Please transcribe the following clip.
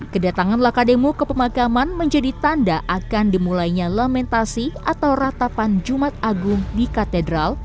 kedatangan lakademo ke pemakaman menjadi tanda akan dimulainya lamentasi atau ratapan jumat agung di katedral